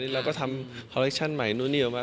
เราก็ทำคอเลคชั่นใหม่นู่นนี่ออกมา